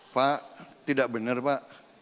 pak tidak benar pak